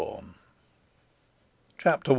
CHAPTER I.